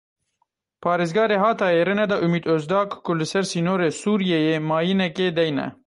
Parêzgarê Hatayê rê neda Umît Ozdag ku li ser sînorê Sûriyeyê mayînekê deyne.